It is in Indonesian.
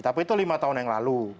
tapi itu lima tahun yang lalu